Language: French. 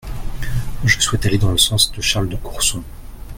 Je souhaite aller dans le sens de Charles de Courson.